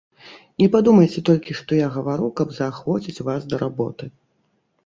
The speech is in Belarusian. Не падумайце толькі, што я гавару, каб заахвоціць вас да работы.